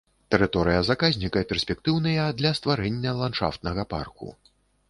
Тэрыторыя заказніка перспектыўныя для стварэння ландшафтнага парку.